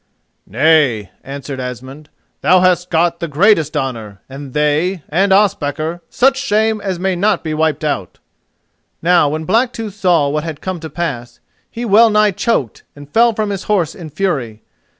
"Nay," answered Asmund, "thou hast got the greatest honour, and they, and Ospakar, such shame as may not be wiped out." Now when Blacktooth saw what had come to pass, he well nigh choked, and fell from his horse in fury.